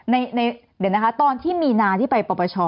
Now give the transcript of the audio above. เดี๋ยวนะคะตอนที่มีนาที่ไปปรปช